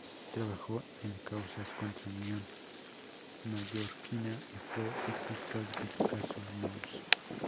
Trabajó en causas contra Unión Mallorquina y fue el fiscal del caso Nóos.